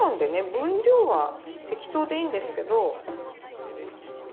分量は適当でいいんですけど。